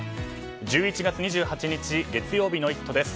１１月２８日月曜日の「イット！」です。